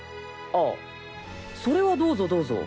あっそれはどうぞどうぞ。